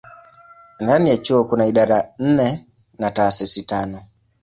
Ndani ya chuo kuna idara nne na taasisi tano.